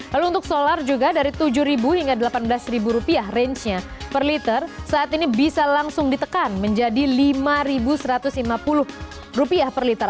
lalu untuk solar juga dari tujuh hingga delapan belas rupiah rangenya per liter saat ini bisa langsung ditekan menjadi lima satu ratus lima puluh rupiah per liter